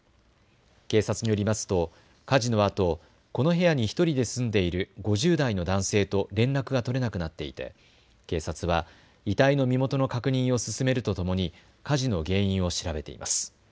警察によりますと火事のあとこの部屋に１人で住んでいる５０代の男性と連絡が取れなくなっていて警察は遺体の身元の確認を進めるとともに火事の原因を調べています。